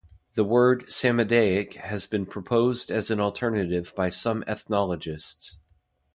The word "Samodeic" has been proposed as an alternative by some ethnologists.